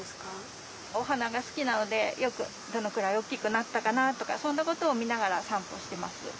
おはながすきなのでよくどのくらいおおきくなったかなとかそんなことをみながらさんぽしてます。